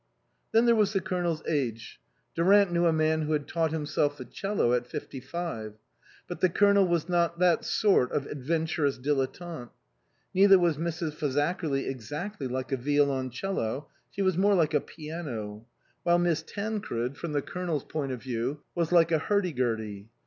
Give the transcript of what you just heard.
Then there was the Colonel's age. Durant knew a man who had taught himself the 'cello at fifty five. But the Colonel was not that sort of adventurous dilettante. Neither was Mrs. Fazakerly exactly like a violoncello, she was more like a piano ; while Miss Tancred, from the 64 INLAND Colonel's point of view, was like a hurdy gurdy.